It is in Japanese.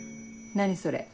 何それ。